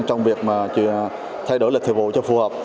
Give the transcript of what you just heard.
trong việc mà thay đổi lịch thời vụ cho phù hợp